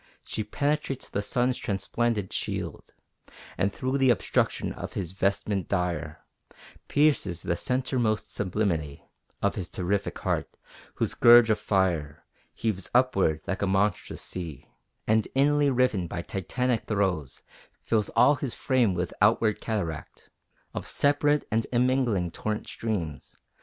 She penetrates the sun's transplendent shield, And through the obstruction of his vestment dire, Pierces the centermost sublimity Of his terrific heart, whose gurge of fire Heaves upward like a monstrous sea, And inly riven by Titanic throes, Fills all his frame with outward cataract Of separate and immingling torrent streams.